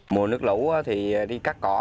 mùa nước lũ thì đi cắt cỏ